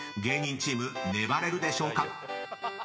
芸人チーム粘れるでしょうか？］